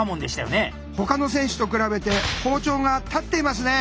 他の選手と比べて包丁が立っていますね。